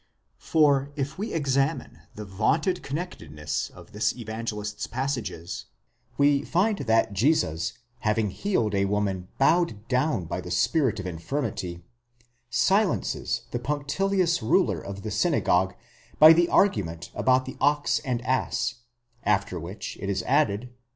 For if we examine the vaunted connectedness of this Evangelist's passages, we find that Jesus, having healed a woman bowed down by a spirtt of infirmity, silences the punctilious ruler of the synagogue by the argument about the ox and ass, after which it 15 added (v.